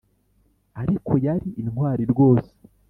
ariko yari intwari rwose